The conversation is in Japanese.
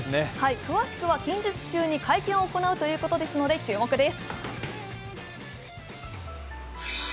詳しくは近日中に会見を行うということですので、注目です。